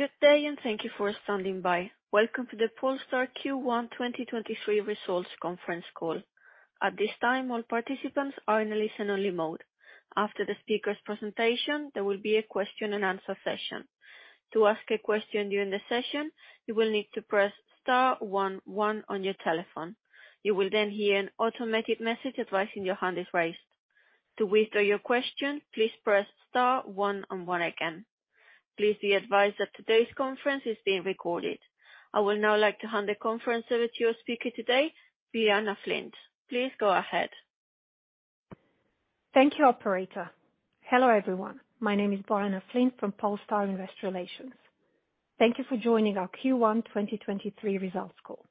Good day. Thank you for standing by. Welcome to the Polestar Q1 2023 results conference call. At this time, all participants are in a listen-only mode. After the speaker's presentation, there will be a question and answer session. To ask a question during the session, you will need to press star one one on your telephone. You will hear an automated message advising your hand is raised. To withdraw your question, please press star one one again. Please be advised that today's conference is being recorded. I would now like to hand the conference over to your speaker today, Bojana Flint. Please go ahead. Thank you operator. Hello everyone. My name is Bojana Flint from Polestar Investor Relations. Thank you for joining our Q1 2023 results call.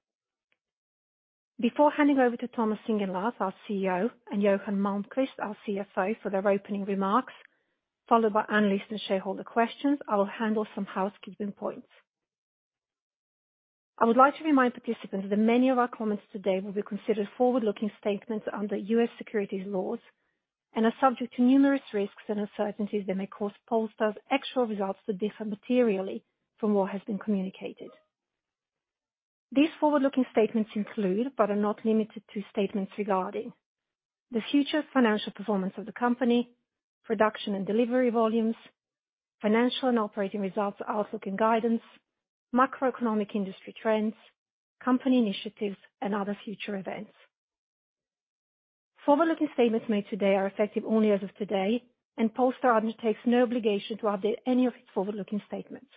Before handing over to Thomas Ingenlath, our CEO, and Johan Malmqvist, our CFO, for their opening remarks, followed by analyst and shareholder questions, I will handle some housekeeping points. I would like to remind participants that many of our comments today will be considered forward-looking statements under U.S. securities laws and are subject to numerous risks and uncertainties that may cause Polestar's actual results to differ materially from what has been communicated. These forward-looking statements include, but are not limited to, statements regarding the future financial performance of the company, production and delivery volumes, financial and operating results, outlook and guidance, macroeconomic industry trends, company initiatives, and other future events. Forward-looking statements made today are effective only as of today, and Polestar undertakes no obligation to update any of its forward-looking statements.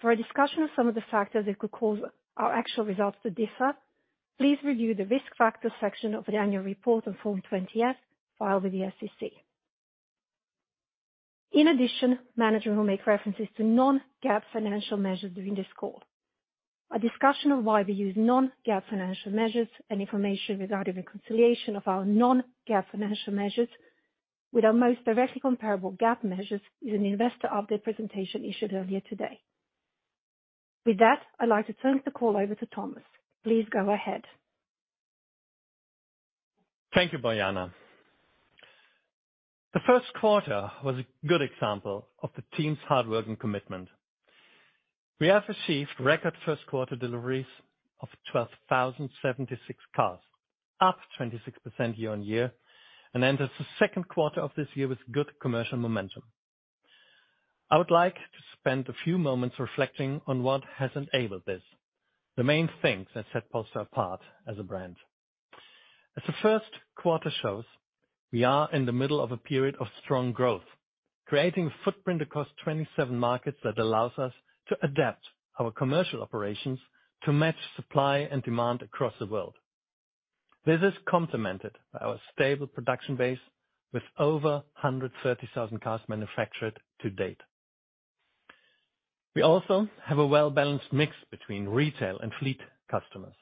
For a discussion of some of the factors that could cause our actual results to differ, please review the Risk Factors section of the annual report on Form 20-F filed with the SEC. In addition, management will make references to non-GAAP financial measures during this call. A discussion of why we use non-GAAP financial measures and information regarding reconciliation of our non-GAAP financial measures with our most directly comparable GAAP measures is in the investor update presentation issued earlier today. With that, I'd like to turn the call over to Thomas. Please go ahead. Thank you, Bojana. The first quarter was a good example of the team's hard work and commitment. We have received record first quarter deliveries of 12,076 cars, up 26% year-on-year, and enters the second quarter of this year with good commercial momentum. I would like to spend a few moments reflecting on what has enabled this, the main things that set Polestar apart as a brand. As the first quarter shows, we are in the middle of a period of strong growth, creating a footprint across 27 markets that allows us to adapt our commercial operations to match supply and demand across the world. This is complemented by our stable production base with over 130,000 cars manufactured to date. We also have a well-balanced mix between retail and fleet customers.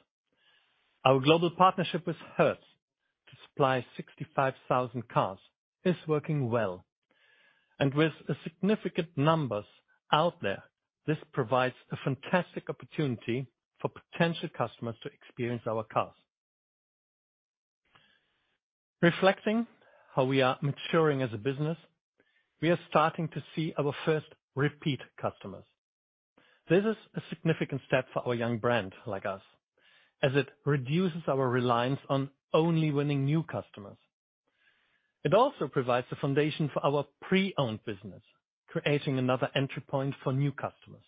Our global partnership with Hertz to supply 65,000 cars is working well. With significant numbers out there, this provides a fantastic opportunity for potential customers to experience our cars. Reflecting how we are maturing as a business, we are starting to see our first repeat customers. This is a significant step for a young brand like us, as it reduces our reliance on only winning new customers. It also provides the foundation for our pre-owned business, creating another entry point for new customers.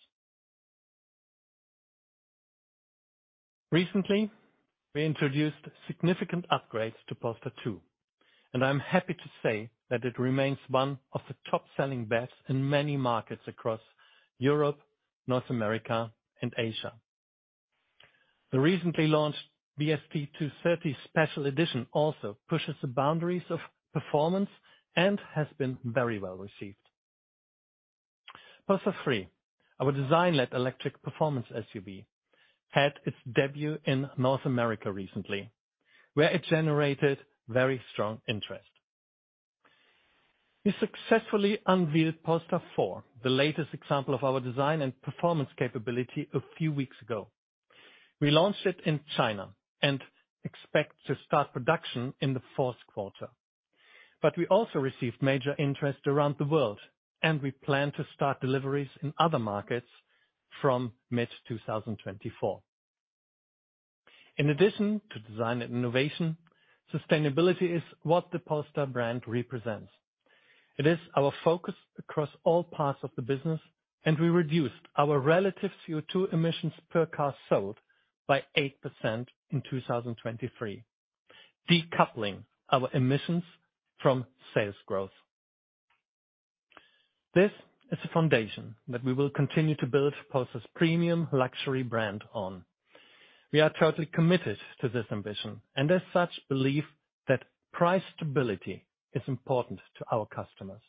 Recently, we introduced significant upgrades to Polestar 2, and I'm happy to say that it remains one of the top-selling best in many markets across Europe, North America, and Asia. The recently launched BST edition 230 special edition also pushes the boundaries of performance and has been very well-received. Polestar 3, our design-led electric performance SUV, had its debut in North America recently, where it generated very strong interest. We successfully unveiled Polestar 4, the latest example of our design and performance capability a few weeks ago. We launched it in China and expect to start production in the 4th quarter. We also received major interest around the world, and we plan to start deliveries in other markets from mid-2024. In addition to design and innovation, sustainability is what the Polestar brand represents. It is our focus across all parts of the business, and we reduced our relative CO2 emissions per car sold by 8% in 2023, decoupling our emissions from sales growth. This is a foundation that we will continue to build Polestar's premium luxury brand on. We are totally committed to this ambition, and as such, believe that price stability is important to our customers.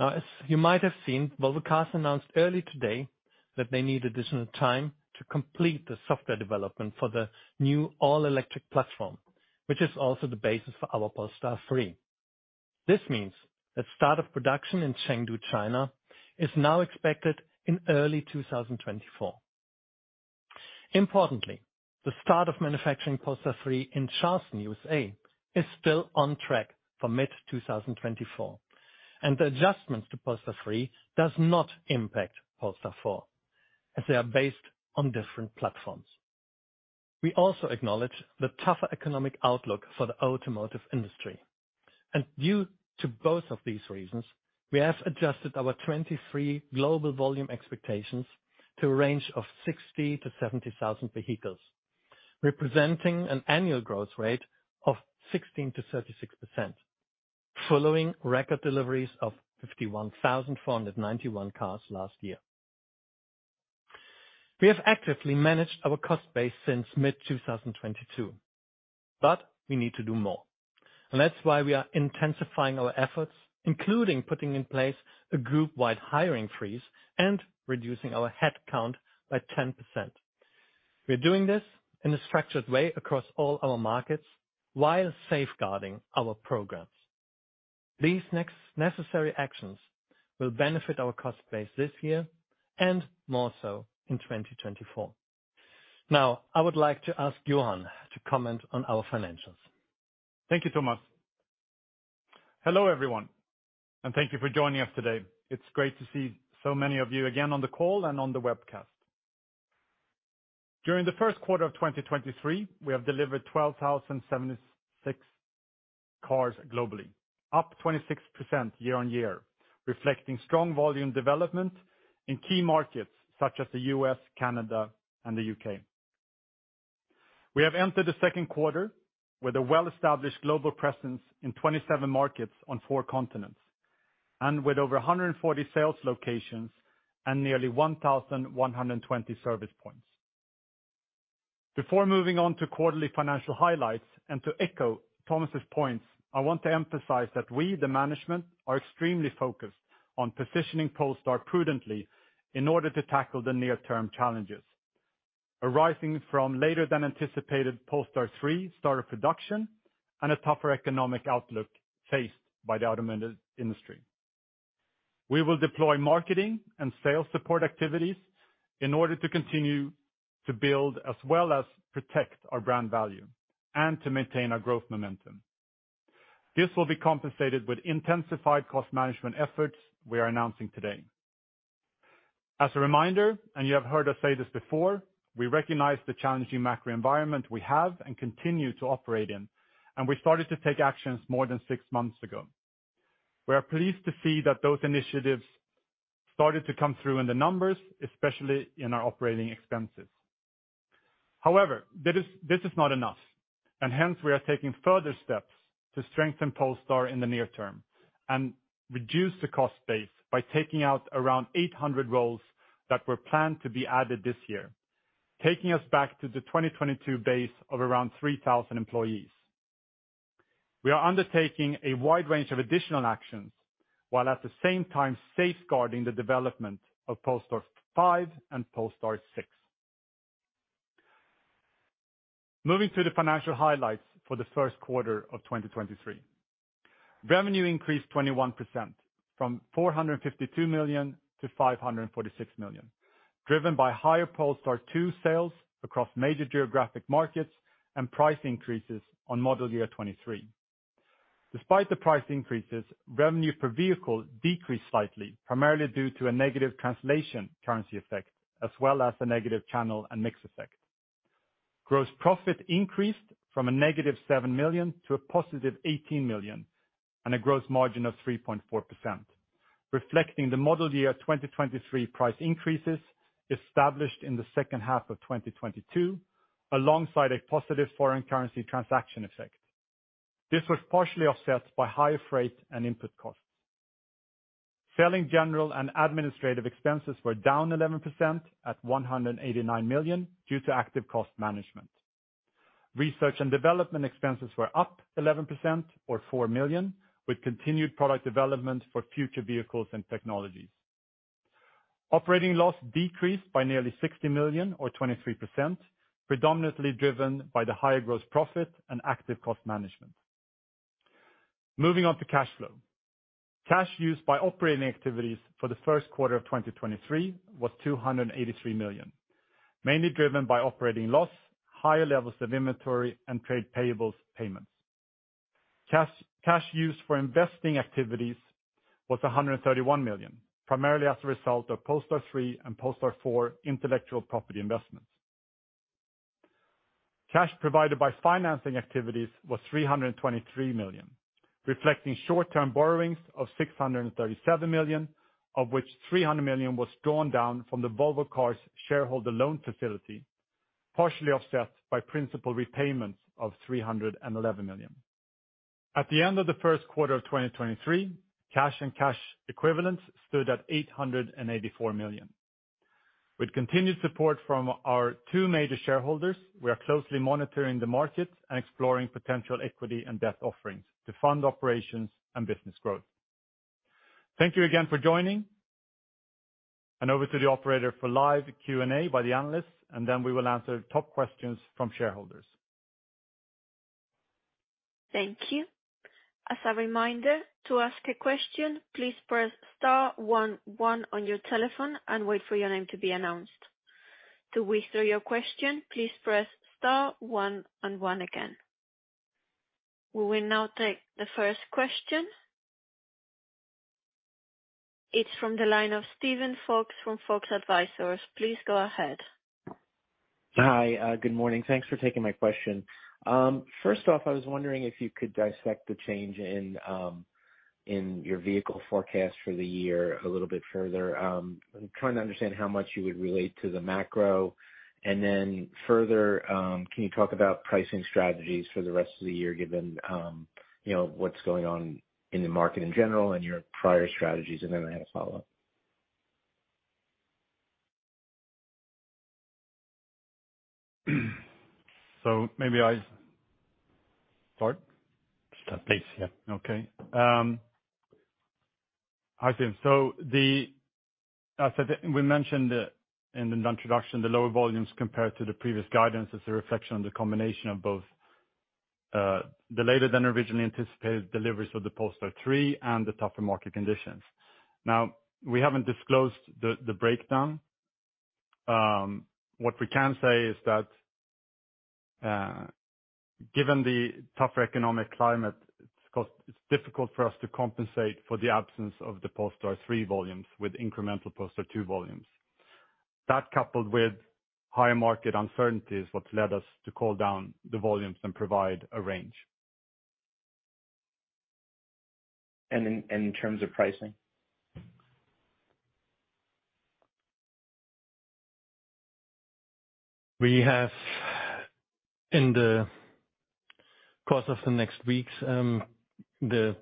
As you might have seen, Volvo Cars announced early today that they need additional time to complete the software development for the new all-electric platform, which is also the basis for our Polestar 3. This means that start of production in Chengdu, China, is now expected in early 2024. Importantly, the start of manufacturing Polestar 3 in Charleston, USA, is still on track for mid-2024, and the adjustments to Polestar 3 does not impact Polestar 4, as they are based on different platforms. We also acknowledge the tougher economic outlook for the automotive industry. Due to both of these reasons, we have adjusted our 23 global volume expectations to a range of 60,000-70,000 vehicles, representing an annual growth rate of 16%-36%, following record deliveries of 51,491 cars last year We have actively managed our cost base since mid 2022. We need to do more. That's why we are intensifying our efforts, including putting in place a group-wide hiring freeze and reducing our head count by 10%. We are doing this in a structured way across all our markets while safeguarding our programs. These next necessary actions will benefit our cost base this year, and more so in 2024. I would like to ask Johan to comment on our financials. Thank you, Thomas. Hello, everyone, and thank you for joining us today. It's great to see so many of you again on the call and on the webcast. During the first quarter of 2023, we have delivered 12,076 cars globally, up 26% year-over-year, reflecting strong volume development in key markets such as the U.S., Canada, and the U.K. We have entered the second quarter with a well-established global presence in 27 markets on four continents, and with over 140 sales locations and nearly 1,120 service points. Before moving on to quarterly financial highlights and to echo Thomas's points, I want to emphasize that we, the management, are extremely focused on positioning Polestar prudently in order to tackle the near-term challenges arising from later than anticipated Polestar 3 start of production and a tougher economic outlook faced by the automotive industry. We will deploy marketing and sales support activities in order to continue to build as well as protect our brand value and to maintain our growth momentum. This will be compensated with intensified cost management efforts we are announcing today. As a reminder, and you have heard us say this before, we recognize the challenging macro environment we have and continue to operate in, and we started to take actions more than six months ago. We are pleased to see that those initiatives started to come through in the numbers, especially in our operating expenses. This is not enough, hence we are taking further steps to strengthen Polestar in the near term and reduce the cost base by taking out around 800 roles that were planned to be added this year, taking us back to the 2022 base of around 3,000 employees. We are undertaking a wide range of additional actions, while at the same time safeguarding the development of Polestar 5 and Polestar 6. Moving to the financial highlights for the first quarter of 2023. Revenue increased 21% from $452 million to $546 million, driven by higher Polestar 2 sales across major geographic markets and price increases on model year 2023. Despite the price increases, revenue per vehicle decreased slightly, primarily due to a negative translation currency effect, as well as a negative channel and mix effect. Gross profit increased from -$7 million to +$18 million and a gross margin of 3.4%, reflecting the model year 2023 price increases established in the second half of 2022, alongside a positive foreign currency transaction effect. This was partially offset by higher freight and input costs. Selling general and administrative expenses were down 11% at $189 million due to active cost management. Research and development expenses were up 11% or $4 million, with continued product development for future vehicles and technologies. Operating loss decreased by nearly $60 million or 23%, predominantly driven by the higher gross profit and active cost management. Moving on to cash flow. Cash used by operating activities for the first quarter of 2023 was $283 million, mainly driven by operating loss, higher levels of inventory, and trade payables payments. Cash used for investing activities was $131 million, primarily as a result of Polestar 3 and Polestar 4 intellectual property investments. Cash provided by financing activities was $323 million, reflecting short-term borrowings of $637 million, of which $300 million was drawn down from the Volvo Cars shareholder loan facility, partially offset by principal repayments of $311 million. At the end of the first quarter of 2023, cash and cash equivalents stood at $884 million. With continued support from our two major shareholders, we are closely monitoring the markets and exploring potential equity and debt offerings to fund operations and business growth. Thank you again for joining. Over to the operator for live Q&A by the analysts, and then we will answer top questions from shareholders. Thank you. As a reminder, to ask a question, please press star one one on your telephone and wait for your name to be announced. To withdraw your question, please press star one and one again. We will now take the first question. It's from the line of Steven Fox from Fox Advisors. Please go ahead. Hi. Good morning. Thanks for taking my question. First off, I was wondering if you could dissect the change in your vehicle forecast for the year a little bit further. I'm trying to understand how much you would relate to the macro. Further, can you talk about pricing strategies for the rest of the year, given, you know, what's going on in the market in general and your prior strategies? I have a follow-up. maybe I... Start? Just start, please. Yeah. Hi, Steven. We mentioned in the introduction the lower volumes compared to the previous guidance is a reflection of the combination of both, the later than originally anticipated deliveries of the Polestar 3 and the tougher market conditions. We haven't disclosed the breakdown. What we can say is that, given the tougher economic climate, it's difficult for us to compensate for the absence of the Polestar 3 volumes with incremental Polestar 2 volumes. That, coupled with higher market uncertainty, is what led us to call down the volumes and provide a range. In terms of pricing. We have, in the course of the next weeks, the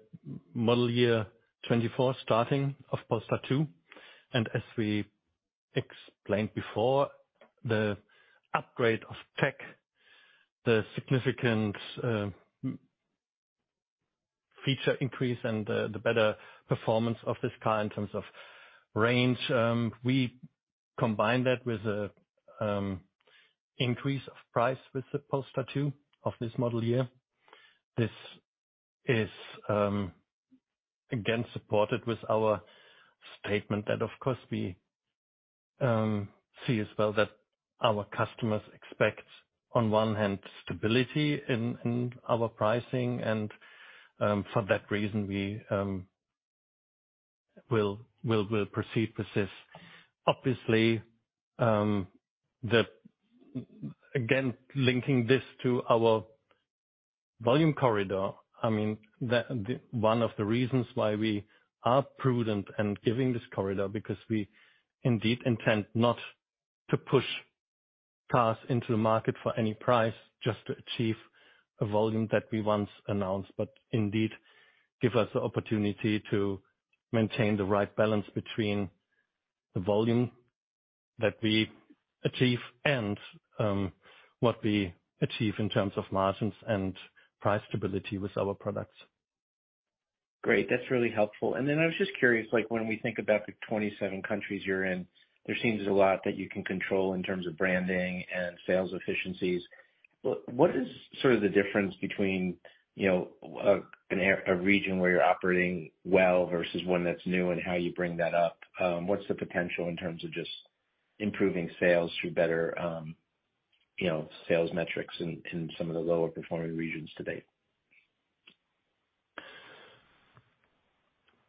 model year 2024 starting of Polestar 2. As we explained before, the upgrade of tech, the significant feature increase and the better performance of this car in terms of range, we combine that with a increase of price with the Polestar 2 of this model year. This is, again, supported with our statement that, of course, we see as well that our customers expect, on one hand, stability in our pricing and for that reason we will proceed with this. Obviously, the... Again, linking this to our volume corridor, I mean, the... One of the reasons why we are prudent in giving this corridor because we indeed intend not to push cars into the market for any price just to achieve a volume that we once announced, but indeed give us the opportunity to maintain the right balance between the volume that we achieve and what we achieve in terms of margins and price stability with our products. Great. That's really helpful. I was just curious, like, when we think about the 27 countries you're in, there seems a lot that you can control in terms of branding and sales efficiencies. What is sort of the difference between, you know, a region where you're operating well versus one that's new and how you bring that up? What's the potential in terms of just improving sales through better, you know, sales metrics in some of the lower performing regions to date?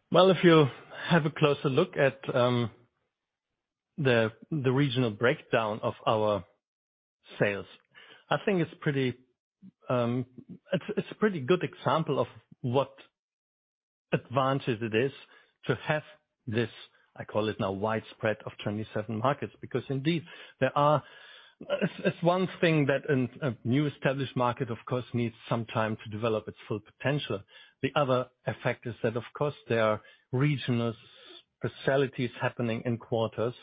If you have a closer look at the regional breakdown of our sales, I think it's pretty. It's a pretty good example of what advantage it is to have this, I call it now, widespread of 27 markets, because indeed there are. It's one thing that a new established market, of course, needs some time to develop its full potential. The other effect is that, of course, there are regional specialties happening in quarters,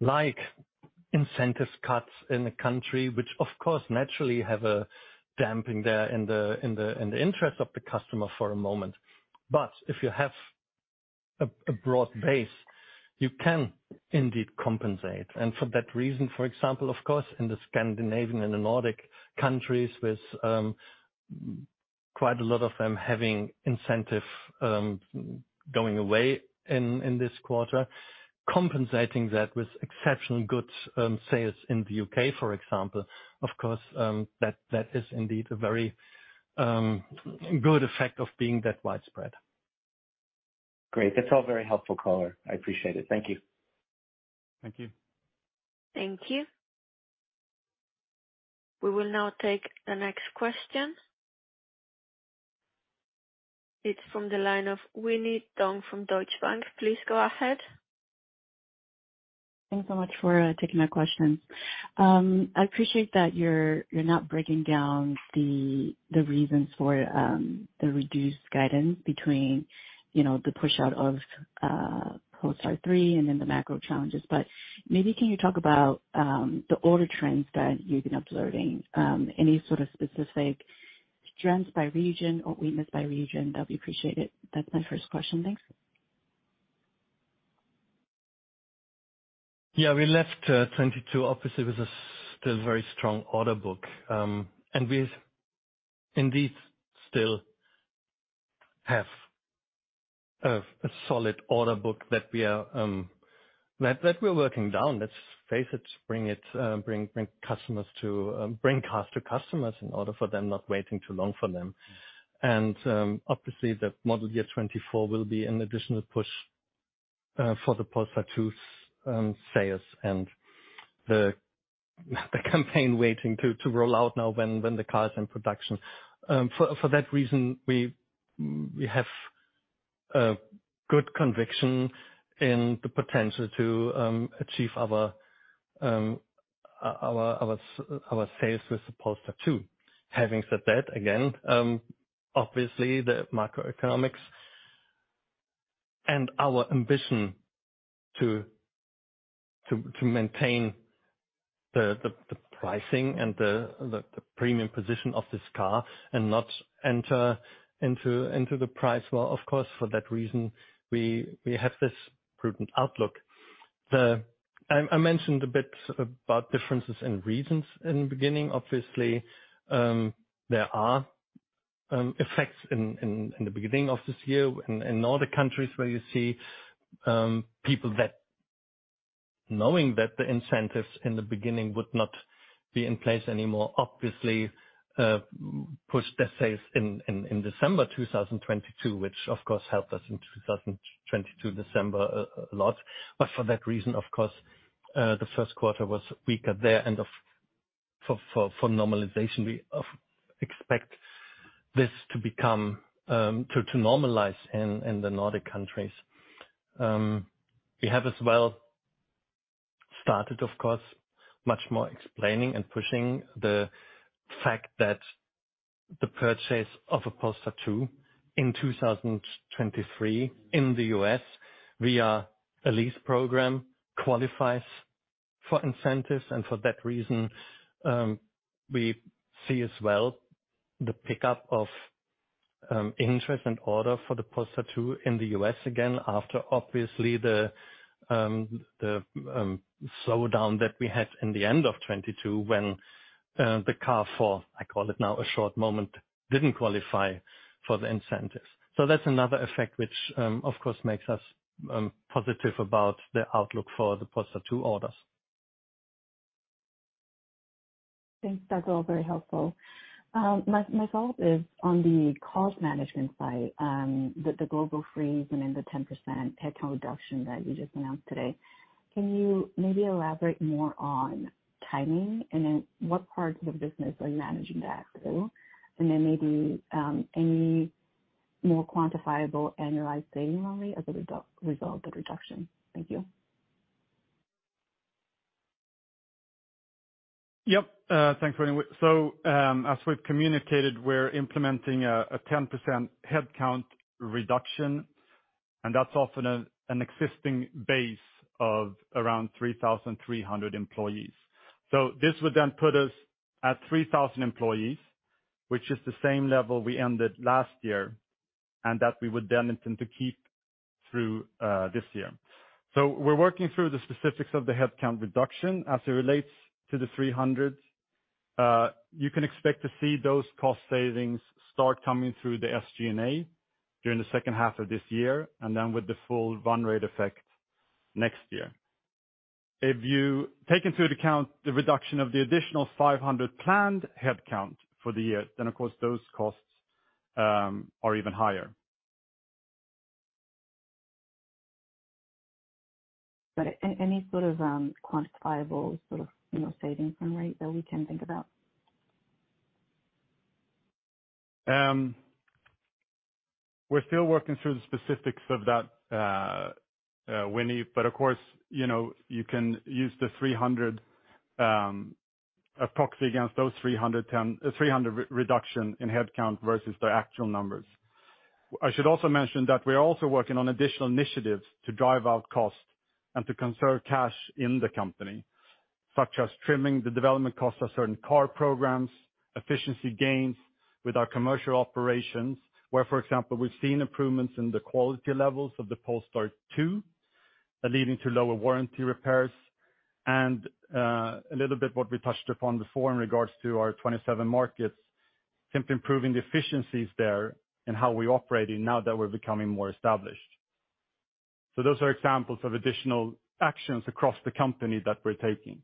like incentives cuts in the country, which of course naturally have a damping there in the interest of the customer for a moment. If you have a broad base, you can indeed compensate. For that reason, for example, of course, in the Scandinavian and the Nordic countries, with, quite a lot of them having incentive, going away in this quarter, compensating that with exceptional good, sales in the UK, for example, of course, that is indeed a very, good effect of being that widespread. Great. That's all very helpful, Potter. I appreciate it. Thank you. Thank you. Thank you. We will now take the next question. It's from the line of Winnie Dong from Deutsche Bank. Please go ahead. Thanks so much for taking my question. I appreciate that you're not breaking down the reasons for the reduced guidance between, you know, the push out of Polestar 3 and then the macro challenges. Maybe can you talk about the order trends that you've been observing? Any sort of specific trends by region or weakness by region? That'll be appreciated. That's my first question. Thanks. Yeah, we left 2022 obviously with a still very strong order book. We indeed still have a solid order book that we are working down, let's face it, to bring customers to bring cars to customers in order for them not waiting too long for them. Obviously, the model year 2024 will be an additional push for the Polestar 2 sales and the campaign waiting to roll out now when the car is in production. For that reason, we have a good conviction in the potential to achieve our sales with the Polestar 2. Having said that, again, obviously, the macroeconomics and our ambition to maintain the pricing and the premium position of this car and not enter into the price war, of course, for that reason, we have this prudent outlook. I mentioned a bit about differences in regions in the beginning. Obviously, there are effects in the beginning of this year in all the countries where you see people that knowing that the incentives in the beginning would not be in place anymore, obviously, pushed their sales in December 2022, which of course helped us in 2022 December a lot. For that reason, of course, the first quarter was weaker there and for normalization. We expect this to become to normalize in the Nordic countries. We have as well started, of course, much more explaining and pushing the fact that the purchase of a Polestar 2 in 2023 in the US via a lease program qualifies for incentives. For that reason, we see as well the pickup of interest and order for the Polestar 2 in the US again, after obviously the slowdown that we had in the end of 2022, when the car for, I call it now a short moment, didn't qualify for the incentives. That's another effect which, of course makes us positive about the outlook for the Polestar 2 orders. Thanks. That's all very helpful. My follow-up is on the cost management side, the global freeze and then the 10% headcount reduction that you just announced today. Can you maybe elaborate more on timing, and then what parts of the business are you managing that through? Maybe, any more quantifiable annualized savings only as a result of the reduction? Thank you. Yep. Thanks, Winnie. As we've communicated, we're implementing a 10% headcount reduction, and that's off an existing base of around 3,300 employees. This would then put us at 3,000 employees, which is the same level we ended last year, and that we would then intend to keep through this year. We're working through the specifics of the headcount reduction. As it relates to the 300, you can expect to see those cost savings start coming through the SG&A during the second half of this year, with the full run rate effect next year. If you take into account the reduction of the additional 500 planned headcount for the year, of course, those costs are even higher. Any sort of, quantifiable sort of, you know, savings run rate that we can think about? We're still working through the specifics of that, Winnie, of course, you know, you can use the 300 approximately against those 300 reduction in headcount versus the actual numbers. I should also mention that we are also working on additional initiatives to drive out cost and to conserve cash in the company, such as trimming the development costs of certain car programs, efficiency gains with our commercial operations, where, for example, we've seen improvements in the quality levels of the Polestar 2, leading to lower warranty repairs and a little bit what we touched upon before in regards to our 27 markets, simply improving the efficiencies there and how we operate in now that we're becoming more established. Those are examples of additional actions across the company that we're taking.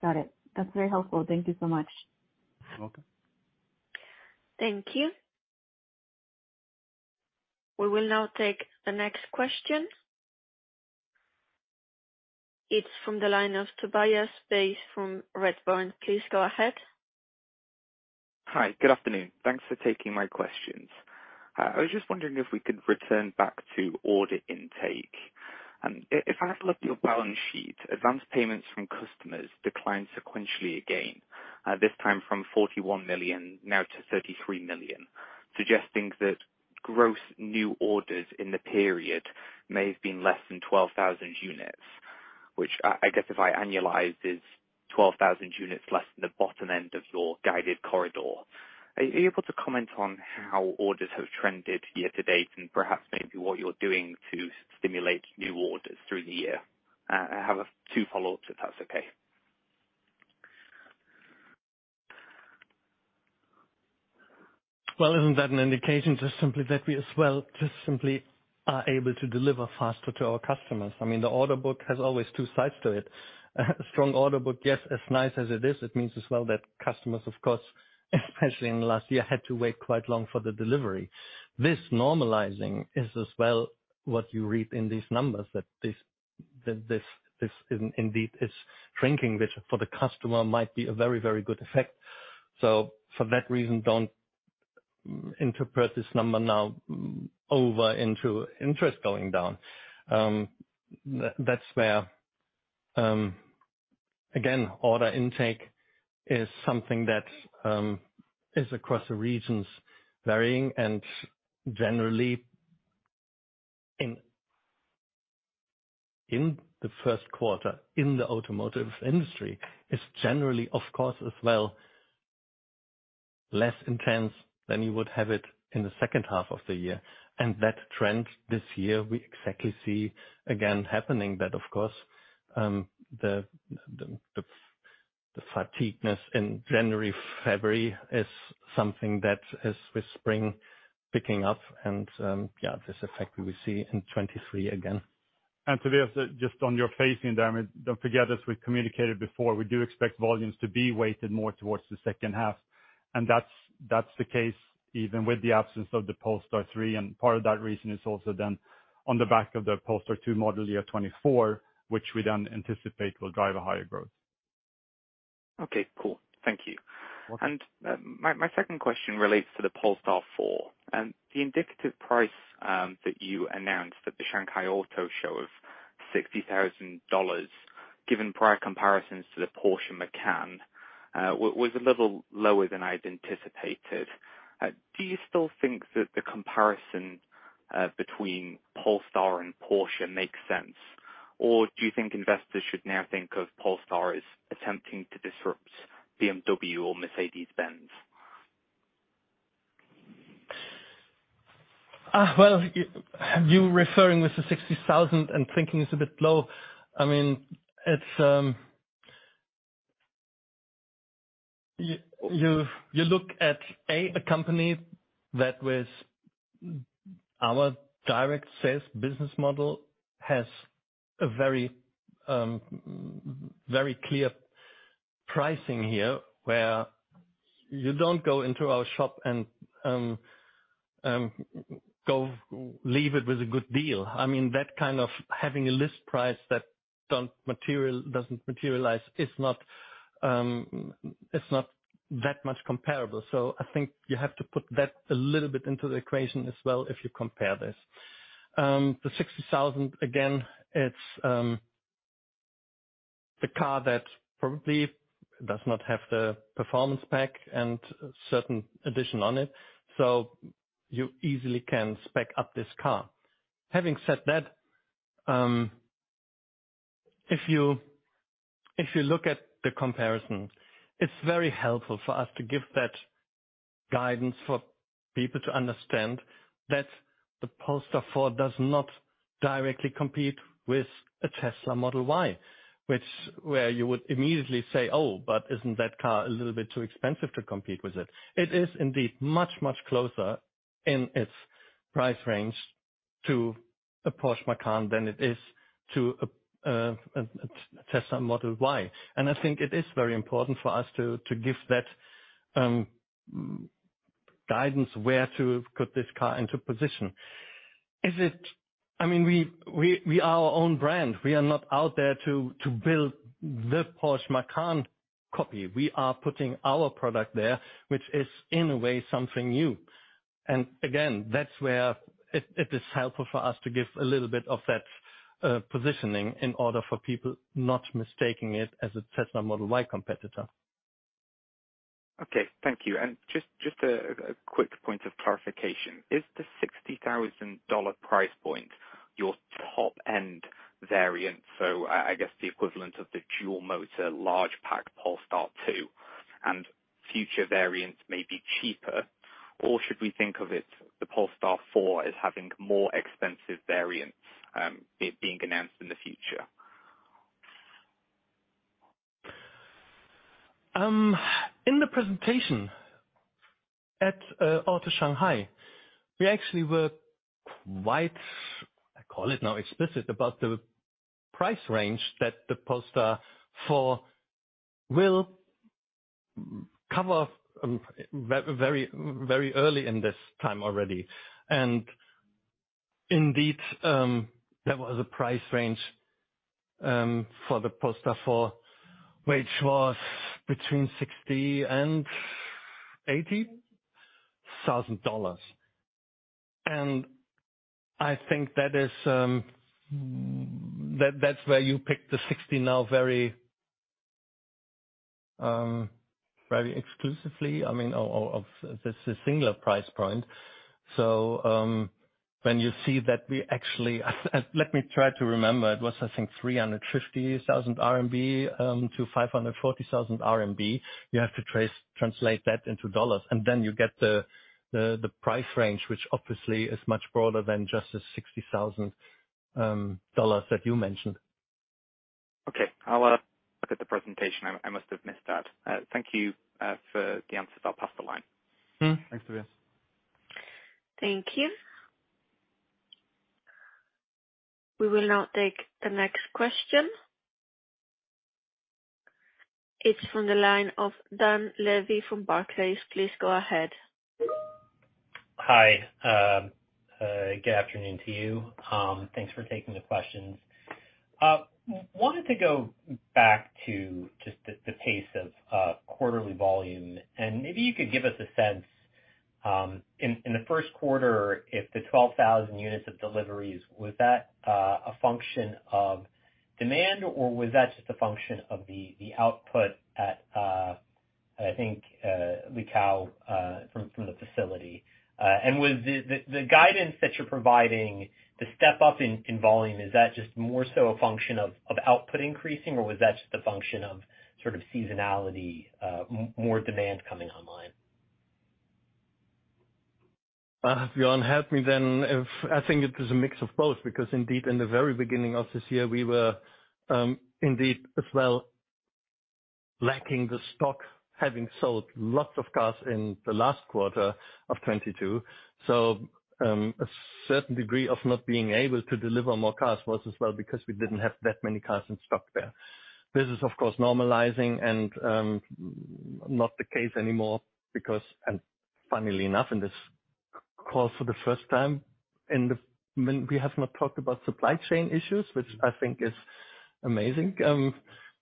Got it. That's very helpful. Thank you so much. You're welcome. Thank you. We will now take the next question. It's from the line of Tobias Beith from Redburn. Please go ahead. Hi. Good afternoon. Thanks for taking my questions. I was just wondering if we could return back to order intake. If I look at your balance sheet, advance payments from customers declined sequentially again, this time from $41 million now to $33 million, suggesting that gross new orders in the period may have been less than 12,000 units. I guess if I annualize is 12,000 units less than the bottom end of your guided corridor. Are you able to comment on how orders have trended year-to-date and perhaps maybe what you're doing to stimulate new orders through the year? I have two follow-ups, if that's okay. Isn't that an indication just simply that we as well are able to deliver faster to our customers. I mean, the order book has always two sides to it. A strong order book, yes, as nice as it is, it means as well that customers, of course, especially in the last year, had to wait quite long for the delivery. This normalizing is as well what you read in these numbers, that this is indeed shrinking, which for the customer might be a very, very good effect. For that reason, don't interpret this number now over into interest going down. That's where again, order intake is something that is across the regions varying and generally in the first quarter in the automotive industry is generally, of course, as well, less intense than you would have it in the second half of the year. That trend this year, we exactly see again happening that, of course, the fatigueness in January, February is something that is with spring picking up and yeah, this effect we will see in 2023 again. Tobias, just on your phasing down, don't forget, as we communicated before, we do expect volumes to be weighted more towards the second half. That's the case even with the absence of the Polestar 3, and part of that reason is also then on the back of the Polestar 2 model year 2024, which we then anticipate will drive a higher growth. Okay, cool. Thank you. Okay. My second question relates to the Polestar 4. The indicative price that you announced at the Auto Shanghai of $60,000, given prior comparisons to the Porsche Macan, was a little lower than I'd anticipated. Do you still think that the comparison between Polestar and Porsche makes sense? Do you think investors should now think of Polestar as attempting to disrupt BMW or Mercedes-Benz? Well, you referring with the $60,000 and thinking it's a bit low. I mean, it's. You, you look at a company that with our direct sales business model has a very clear pricing here, where you don't go into our shop and go leave it with a good deal. I mean, that kind of having a list price that doesn't materialize is not that much comparable. I think you have to put that a little bit into the equation as well if you compare this. The $60,000, again, it's the car that probably does not have the performance pack and certain addition on it. You easily can spec up this car. Having said that, if you look at the comparison, it's very helpful for us to give that guidance for people to understand that the Polestar 4 does not directly compete with a Tesla Model Y, which where you would immediately say, "Oh, but isn't that car a little bit too expensive to compete with it?" It is indeed much, much closer in its price range to a Porsche Macan than it is to a Tesla Model Y. I think it is very important for us to give that guidance where to put this car into position. I mean, we are our own brand. We are not out there to build the Porsche Macan copy. We are putting our product there, which is in a way something new. Again, that's where it is helpful for us to give a little bit of that positioning in order for people not mistaking it as a Tesla Model Y competitor. Okay, thank you. Just a quick point of clarification. Is the $60,000 price point your top-end variant, so I guess the equivalent of the dual motor large pack Polestar 2, and future variants may be cheaper? Or should we think of it, the Polestar 4, as having more expensive variants being announced in the future? In the presentation at Auto Shanghai, we actually were quite, I call it now, explicit about the price range that the Polestar 4 will cover very, very early in this time already. There was a price range for the Polestar 4, which was between $60,000 and $80,000. I think that's where you picked the 60 now very exclusively, I mean, of this singular price point. When you see that we actually Let me try to remember. It was, I think, 350,000 RMB-540,000 RMB. You have to translate that into dollars, and then you get the price range, which obviously is much broader than just the $60,000 that you mentioned. Okay. I'll look at the presentation. I must have missed that. Thank you for the answers. I'll pass the line. Mm-hmm. Thanks, Tobias. Thank you. We will now take the next question. It's from the line of Dan Levy from Barclays. Please go ahead. Hi. Good afternoon to you. Thanks for taking the questions. wanted to go back to just the pace of quarterly volume, and maybe you could give us a sense in the first quarter, if the 12,000 units of deliveries, was that a function of demand or was that just a function of the output at I think Luqiao from the facility? Was the guidance that you're providing, the step up in volume, is that just more so a function of output increasing, or was that just a function of sort of seasonality, more demand coming online? If you don't help me, I think it is a mix of both, because indeed, in the very beginning of this year, we were indeed as well lacking the stock, having sold lots of cars in the last quarter of 2022. A certain degree of not being able to deliver more cars was as well because we didn't have that many cars in stock there. This is, of course, normalizing and not the case anymore because, and funnily enough, in this call for the first time when we have not talked about supply chain issues, which I think is amazing,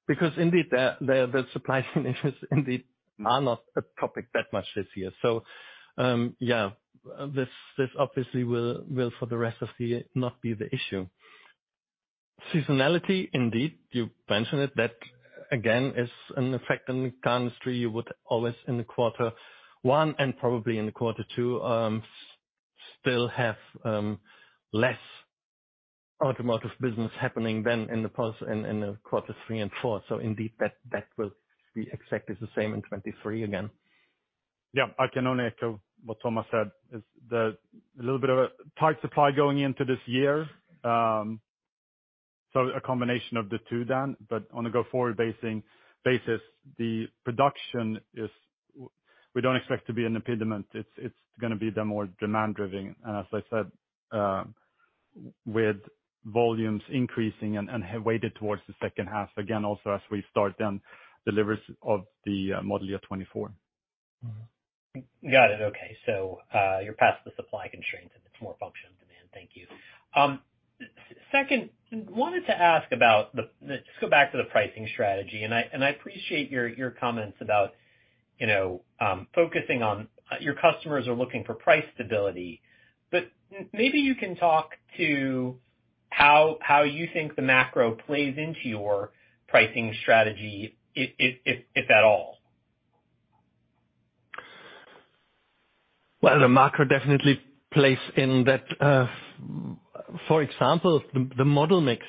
because indeed the supply chain issues indeed are not a topic that much this year. This obviously will for the rest of the year not be the issue. Seasonality, indeed, you mentioned it, that again is an effect on the car industry. You would always in the quarter one and probably in the quarter two, still have, less automotive business happening than in the past in the quarter three and four. Indeed that will be exactly the same in 2023 again. I can only echo what Thomas said. A little bit of a tight supply going into this year. A combination of the two then, but on a go-forward basis, the production is we don't expect to be an impediment. It's gonna be the more demand driving. As I said, with volumes increasing and have weighted towards the second half, again, also as we start then deliveries of the model year 2024. Got it. Okay. You're past the supply constraints and it's more function of demand. Thank you. Second, wanted to ask about the pricing strategy, and I, and I appreciate your comments about, you know, focusing on your customers are looking for price stability. Maybe you can talk to how you think the macro plays into your pricing strategy, if at all. The macro definitely plays in that, for example, the model mix.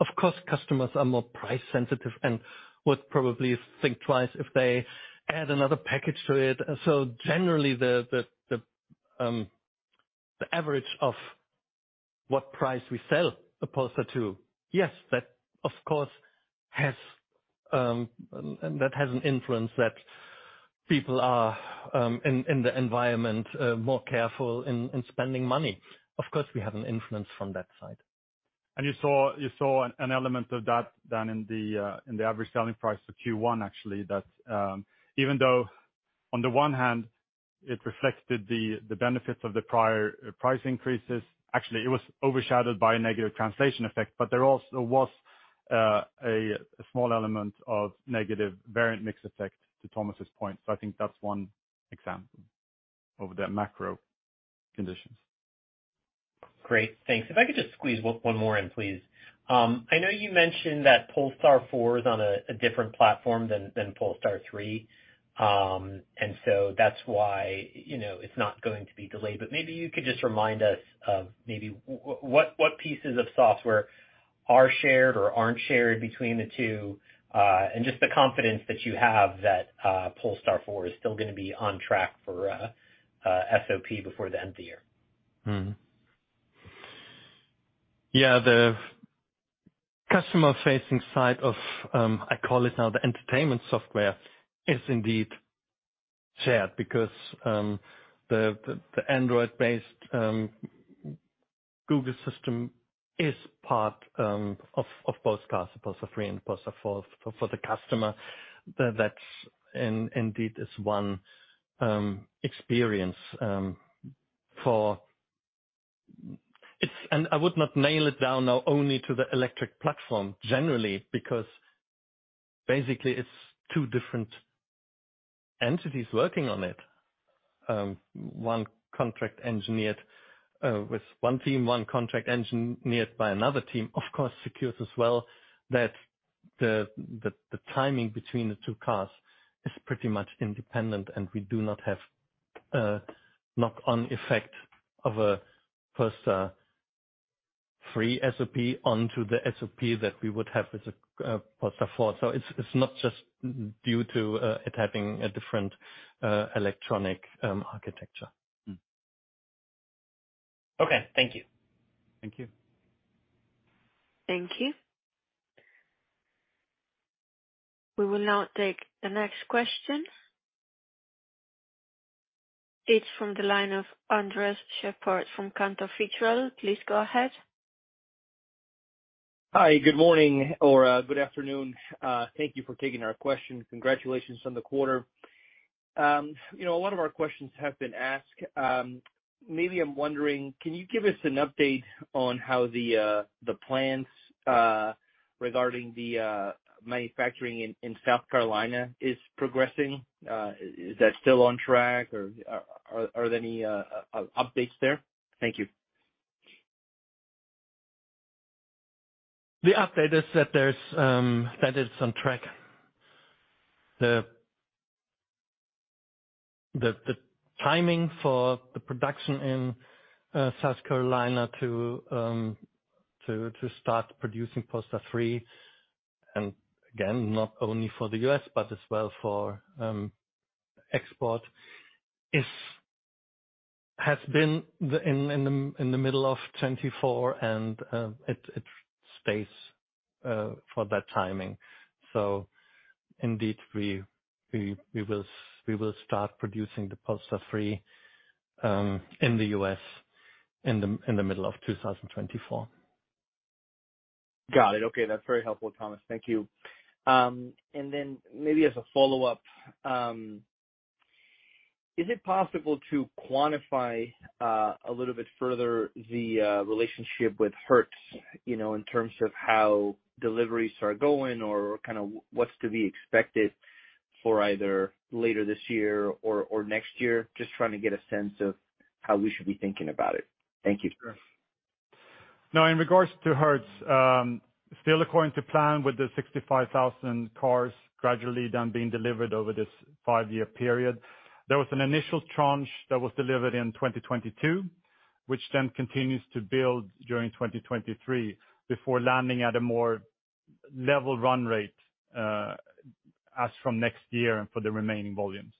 Of course, customers are more price sensitive and would probably think twice if they add another package to it. Generally, the average of what price we sell a Polestar 2, yes, that, of course, has, and that has an influence that people are in the environment more careful in spending money. Of course, we have an influence from that side. You saw an element of that then in the average selling price for Q1, actually. Even though on the one hand, it reflected the benefits of the prior price increases. Actually, it was overshadowed by a negative translation effect, there also was a small element of negative variant mix effect to Thomas's point. I think that's one example of the macro conditions. Great. Thanks. If I could just squeeze one more in, please. I know you mentioned that Polestar 4 is on a different platform than Polestar, and so that's why, you know, it's not going to be delayed. Maybe you could just remind us of maybe what pieces of software are shared or aren't shared between the two, and just the confidence that you have that Polestar 4 is still gonna be on track for SOP before the end of the year. Yeah. The customer-facing side of, I call it now the entertainment software, is indeed shared because the Android-based Google system is part of both cars, Polestar 3 and Polestar 4. For the customer, that's indeed one experience. I would not nail it down now only to the electric platform generally, because basically it's two different entities working on it. One contract engineered with one team, one contract engineered by another team, of course secures as well that the timing between the two cars is pretty much independent, and we do not have a knock-on effect of a Polestar 3 SOP onto the SOP that we would have with Polestar 4. It's not just due to it having a different electronic architecture. Okay. Thank you. Thank you. Thank you. We will now take the next question. It's from the line of Andres Sheppard from Cantor Fitzgerald. Please go ahead. Hi. Good morning or good afternoon. Thank you for taking our question. Congratulations on the quarter. You know, a lot of our questions have been asked. Maybe I'm wondering, can you give us an update on how the plans regarding the manufacturing in South Carolina is progressing? Is that still on track or are there any updates there? Thank you. The update is that there's that it's on track. The timing for the production in South Carolina to start producing Polestar 3, and again, not only for the U.S., but as well for export has been in the middle of 2024 and it stays for that timing. Indeed, we will start producing the Polestar 3 in the U.S. in the middle of 2024. Got it. Okay, that's very helpful, Thomas. Thank you. Then maybe as a follow-up, is it possible to quantify a little bit further the relationship with Hertz, you know, in terms of how deliveries are going or kinda what's to be expected for either later this year or next year? Just trying to get a sense of how we should be thinking about it. Thank you. Sure. In regards to Hertz, still according to plan with the 65,000 cars gradually then being delivered over this five-year period. There was an initial tranche that was delivered in 2022, which then continues to build during 2023, before landing at a more level run rate as from next year for the remaining volumes.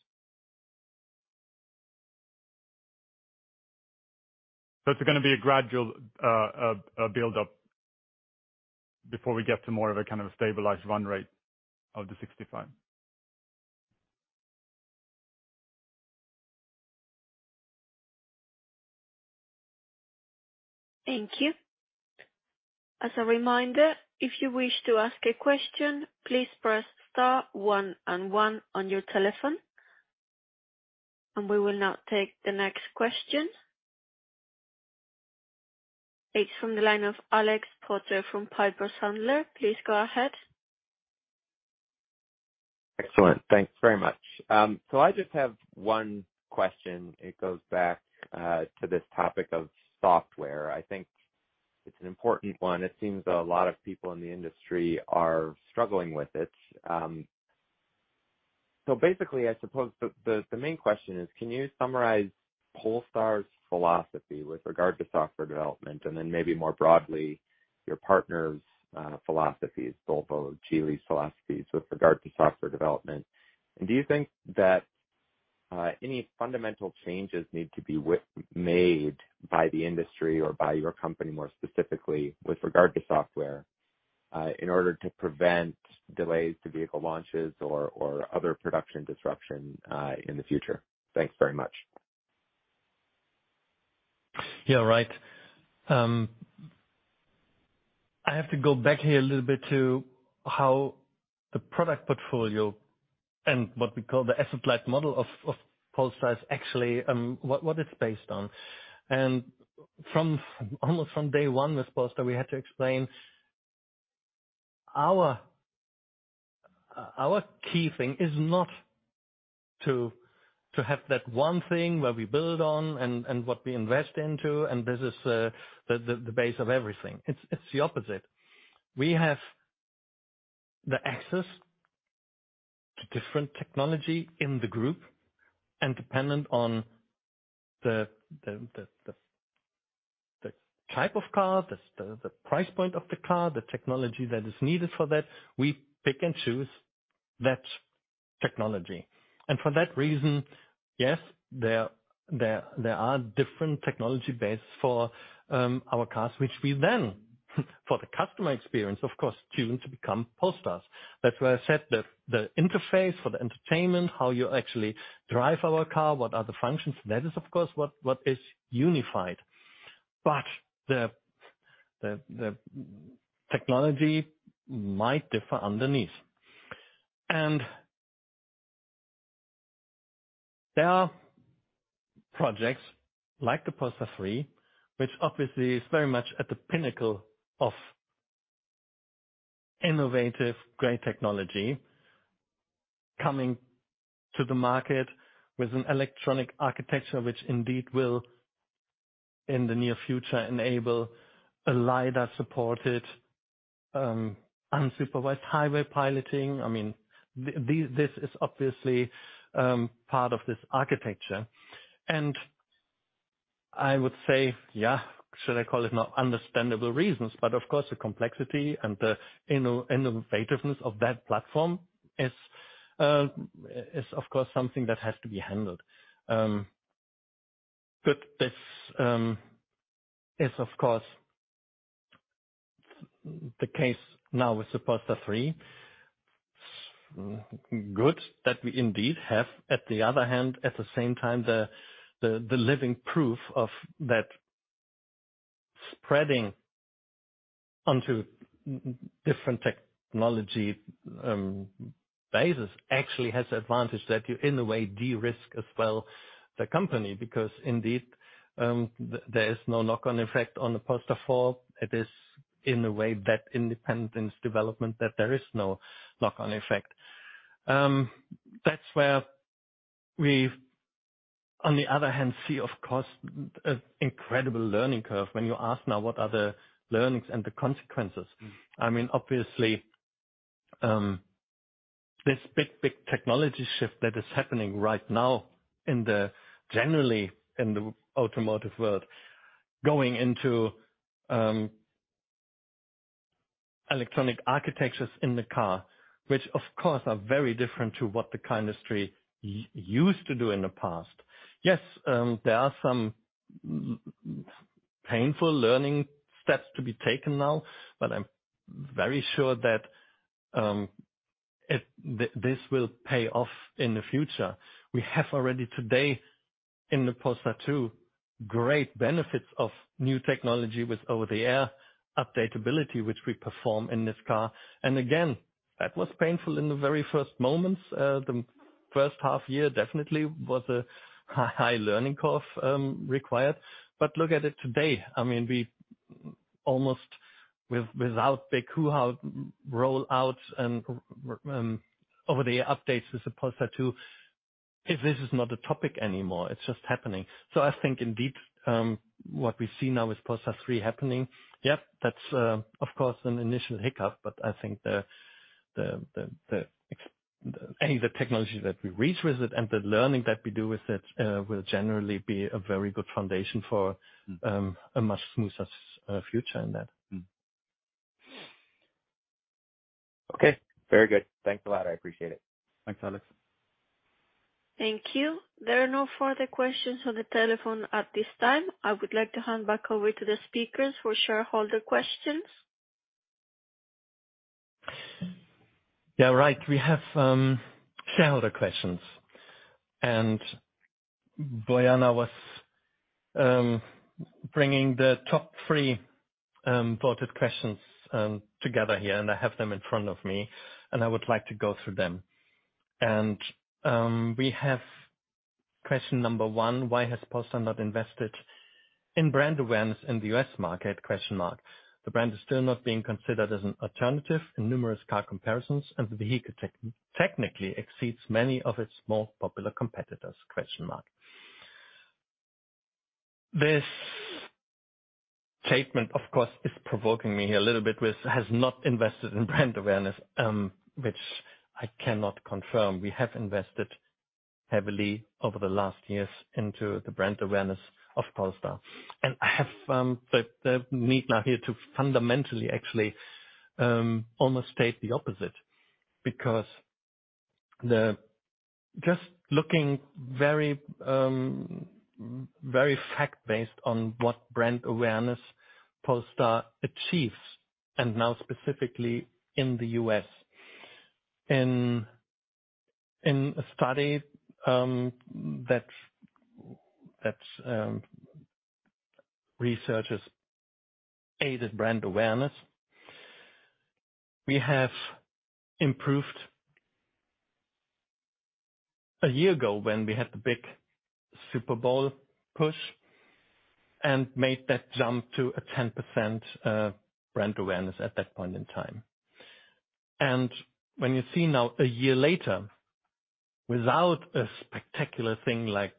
It's gonna be a gradual build up before we get to more of a kind of a stabilized run rate of the 65. Thank you. As a reminder, if you wish to ask a question, please press star one and one on your telephone. We will now take the next question. It's from the line of Alexander Potter from Piper Sandler. Please go ahead. Excellent. Thanks very much. I just have one question. It goes back to this topic of software. I think it's an important one. It seems a lot of people in the industry are struggling with it. Basically, I suppose the, the main question is, can you summarize Polestar's philosophy with regard to software development, and then maybe more broadly, your partner's philosophies, Volvo, Geely's philosophies with regard to software development? Do you think that any fundamental changes need to be made by the industry or by your company, more specifically, with regard to software, in order to prevent delays to vehicle launches or other production disruption, in the future? Thanks very much. Yeah, right. I have to go back here a little bit to how the product portfolio and what we call the asset-light model of Polestar is actually what it's based on. Almost from day one with Polestar, we had to explain our key thing is not to have that one thing where we build on and what we invest into, and this is the base of everything. It's the opposite. We have the access to different technology in the group, and dependent on the type of car, the price point of the car, the technology that is needed for that, we pick and choose that technology. For that reason, yes, there are different technology base for our cars, which we then, for the customer experience, of course, tune to become Polestars. That's why I said the interface for the entertainment, how you actually drive our car, what are the functions, that is, of course, what is unified. The technology might differ underneath. There are projects like the Polestar 3, which obviously is very much at the pinnacle of innovative, great technology coming to the market with an electronic architecture which indeed will, in the near future, enable a Lidar-supported, unsupervised highway piloting. I mean, this is obviously part of this architecture. I would say, yeah, should I call it not understandable reasons, but of course, the complexity and the innovativeness of that platform is of course something that has to be handled. This is of course the case now with the Polestar 3. Good that we indeed have, at the other hand, at the same time, the living proof of that spreading onto different technology basis actually has advantage that you in a way de-risk as well the company because indeed, there is no knock-on effect on the Polestar 4. It is in a way that independence development that there is no knock-on effect. That's where we've on the other hand see, of course, an incredible learning curve when you ask now what are the learnings and the consequences. I mean, obviously, this big technology shift that is happening right now in the generally in the automotive world, going into electronic architectures in the car, which of course, are very different to what the industry used to do in the past. Yes, there are some painful learning steps to be taken now, but I'm very sure that this will pay off in the future. We have already today in the Polestar 2, great benefits of new technology with over-the-air update ability which we perform in this car. Again, that was painful in the very first moments. The first half year definitely was a high learning curve required. Look at it today, I mean, we almost, without big know-how rollouts and over the updates with the Polestar 2, if this is not a topic anymore, it's just happening. I think indeed, what we see now with Polestar 3 happening, yep, that's, of course, an initial hiccup, but I think any of the technology that we reach with it and the learning that we do with it, will generally be a very good foundation. Mm-hmm. A much smoother future in that. Okay. Very good. Thanks a lot. I appreciate it. Thanks, Alex. Thank you. There are no further questions on the telephone at this time. I would like to hand back over to the speakers for shareholder questions. Yeah, right. We have shareholder questions, and Bojana was bringing the top three voted questions together here, and I have them in front of me, and I would like to go through them. We have question number one: Why has Polestar not invested in brand awareness in the U.S. market? The brand is still not being considered as an alternative in numerous car comparisons, and the vehicle technically exceeds many of its more popular competitors? This statement, of course, is provoking me here a little bit with, "Has not invested in brand awareness," which I cannot confirm. We have invested heavily over the last years into the brand awareness of Polestar. I have the need now here to fundamentally actually almost state the opposite because the... Just looking very fact-based on what brand awareness Polestar achieves. Now specifically in the U.S. In a study that's researchers aided brand awareness. We have improved a year ago when we had the big Super Bowl push and made that jump to a 10% brand awareness at that point in time. When you see now a year later, without a spectacular thing like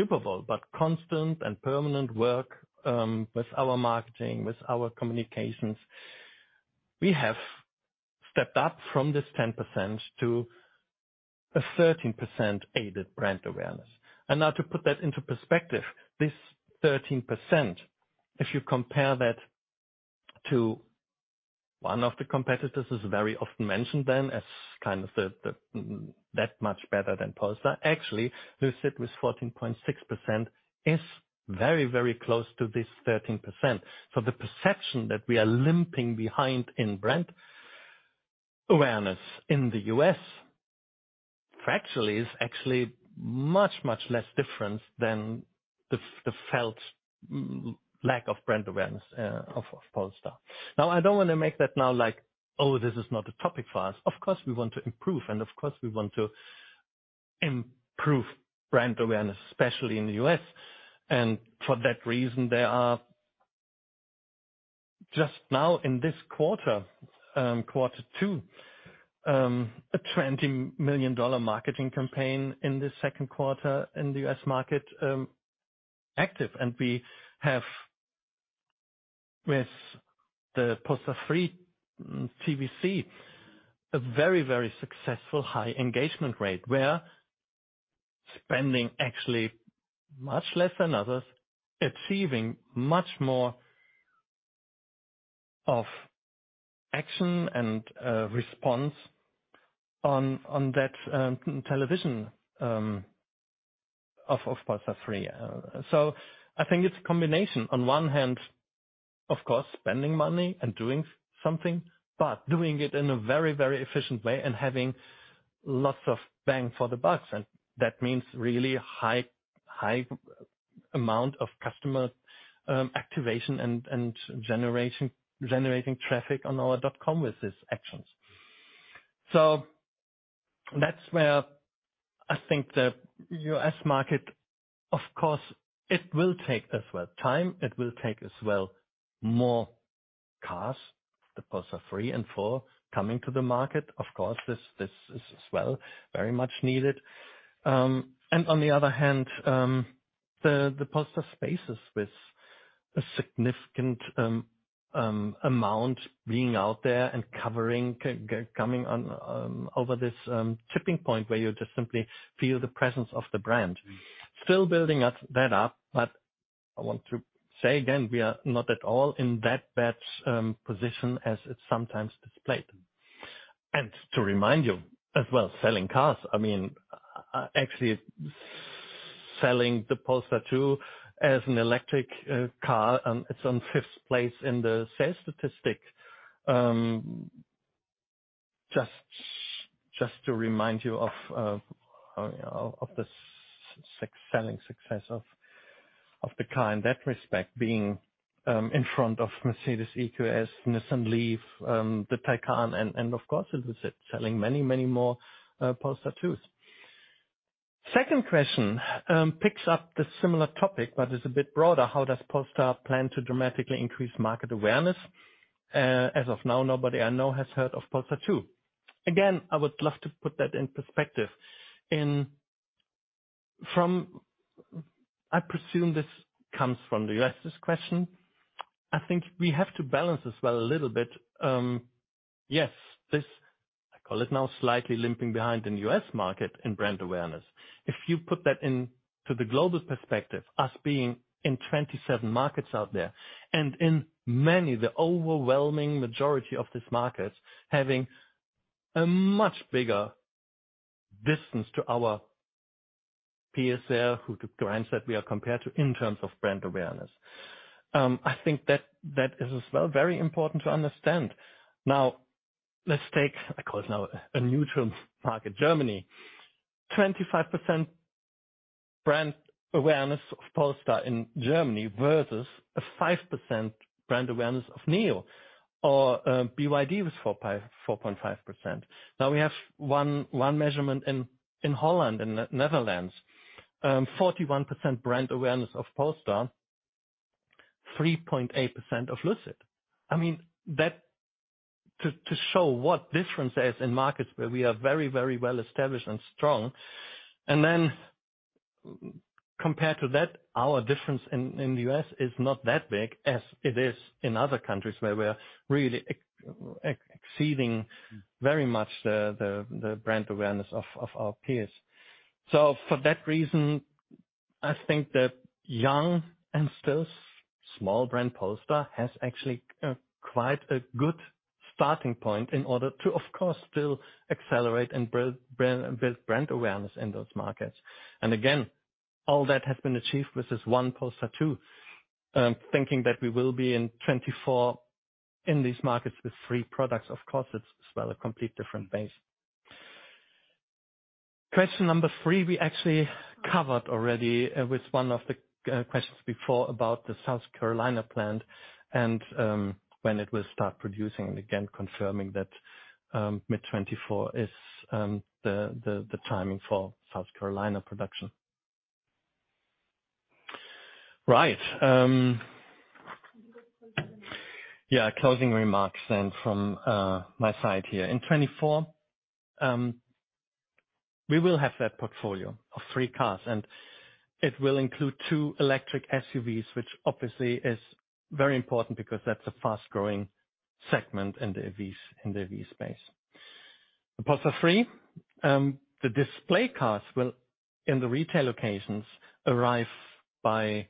Super Bowl, but constant and permanent work with our marketing, with our communications, we have stepped up from this 10% to a 13% aided brand awareness. Now to put that into perspective, this 13%, if you compare that to one of the competitors, is very often mentioned then as kind of the that much better than Polestar. Actually, Lucid with 14.6% is very, very close to this 13%. The perception that we are limping behind in brand awareness in the U.S., factually is actually much, much less difference than the felt lack of brand awareness of Polestar. I don't wanna make that now like, oh, this is not a topic for us. Of course, we want to improve, and of course, improve brand awareness, especially in the U.S. For that reason, there are just now in this quarter, Q2, a $20 million marketing campaign in Q2 in the U.S. market active. We have with the Polestar 3 TVC, a very, very successful high engagement rate. We're spending actually much less than others, achieving much more of action and response on that television of Polestar 3. I think it's a combination. On one hand, of course, spending money and doing something, but doing it in a very, very efficient way and having lots of bang for the bucks. That means really high amount of customer activation and generating traffic on our dot com with these actions. That's where I think the U.S. market, of course, it will take as well time. It will take as well more cars, the Polestar 3 and 4, coming to the market. Of course, this is as well very much needed. On the other hand, the Polestar Spaces with a significant amount being out there and coming on over this tipping point where you just simply feel the presence of the brand. Still building up that up, but I want to say again, we are not at all in that bad position as it's sometimes displayed. To remind you as well, selling cars. I mean, actually selling the Polestar 2 as an electric car, it's on fifth place in the sales statistic. Just to remind you of, you know, of the selling success of the car in that respect, being in front of Mercedes-Benz EQS, Nissan LEAF, the Taycan, and of course, as we said, selling many, many more Polestar 2s. Second question picks up the similar topic, but is a bit broader. How does Polestar plan to dramatically increase market awareness? As of now, nobody I know has heard of Polestar 2. Again, I would love to put that in perspective. I presume this comes from the U.S., this question. I think we have to balance as well a little bit. Yes, this, I call it now, slightly limping behind in the U.S. market in brand awareness. If you put that into the global perspective, us being in 27 markets out there, and in many, the overwhelming majority of these markets, having a much bigger distance to our peers there, who the brands that we are compared to in terms of brand awareness. I think that is as well very important to understand. Now, let's take, I call it now, a neutral market, Germany. 25% brand awareness of Polestar in Germany versus a 5% brand awareness of NIO, or BYD was 4.5%. Now we have 1 measurement in Holland, in Netherlands. 41% brand awareness of Polestar, 3.8% of Lucid. I mean, to show what difference there is in markets where we are very, very well established and strong. Compared to that, our difference in the U.S. is not that big as it is in other countries, where we're really exceeding very much the brand awareness of our peers. For that reason, I think the young and still small brand Polestar has actually quite a good starting point in order to, of course, still accelerate and build brand, build brand awareness in those markets. Again, all that has been achieved with this one Polestar 2. Thinking that we will be in 2024 in these markets with three products, of course, it's as well a complete different base. Question number three, we actually covered already with one of the questions before about the South Carolina plant and when it will start producing. Again, confirming that mid 2024 is the timing for South Carolina production. Right. You can go to closing remarks. Yeah, closing remarks from my side here. In 2024, we will have that portfolio of three cars. It will include two electric SUVs, which obviously is very important because that's a fast-growing segment in the EV space. The Polestar 3, the display cars will, in the retail locations, arrive by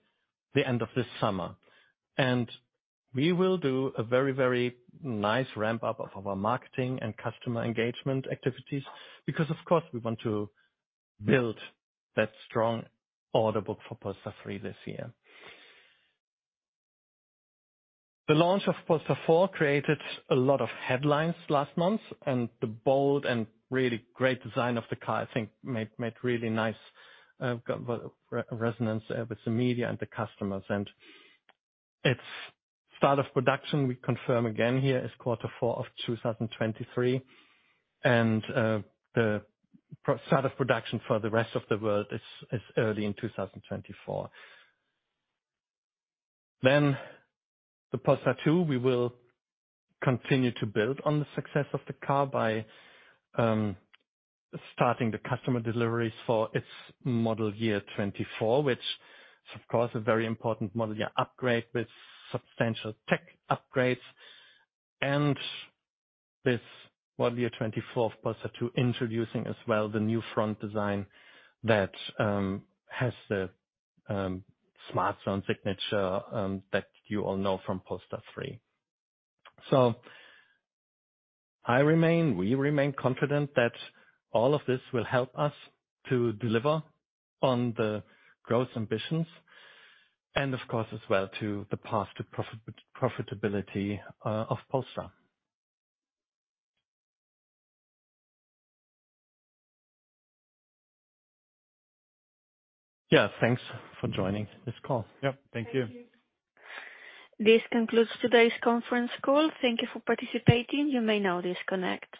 the end of this summer. We will do a very, very nice ramp-up of our marketing and customer engagement activities because, of course, we want to build that strong order book for Polestar 3 this year. The launch of Polestar 4 created a lot of headlines last month. The bold and really great design of the car, I think made really nice re-resonance with the media and the customers. Its start of production, we confirm again here, is quarter four of 2023. The start of production for the rest of the world is early in 2024. The Polestar 2, we will continue to build on the success of the car by starting the customer deliveries for its model year 2024, which is of course a very important model year upgrade with substantial tech upgrades. This model year 2024 of Polestar 2, introducing as well the new front design that has the smartphone signature that you all know from Polestar 3. I remain, we remain confident that all of this will help us to deliver on the growth ambitions and of course, as well to the path to profitability of Polestar. Thanks for joining this call. Yep. Thank you. Thank you. This concludes today's conference call. Thank you for participating. You may now disconnect.